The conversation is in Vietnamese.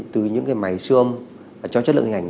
từ những cái máy xương cho chất lượng hình ảnh